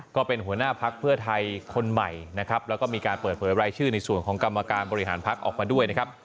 ก็เป็นหัวหน้าพักเพื่อไทยคนใหม่นะครับแล้วก็มีการเปิดเผยรายชื่อในส่วนของกรรมการบริหารพักออกมาด้วยนะครับ